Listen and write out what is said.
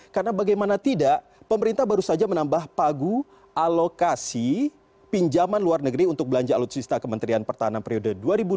karena bagaimana tidak pemerintah baru saja menambah pagu alokasi pinjaman luar negeri untuk belanja alutsista kementerian pertahanan periode dua ribu dua puluh dua ribu dua puluh empat